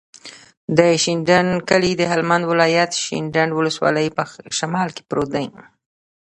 د شینډنډ کلی د هلمند ولایت، شینډنډ ولسوالي په شمال کې پروت دی.